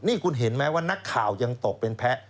นี่คุณเห็นไหมว่านักข่าวยังตกเป็นแพ้